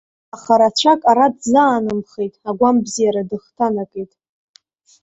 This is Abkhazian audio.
Аха рацәак ара дзаанымхеит, агәамбзиара дыхҭанакит.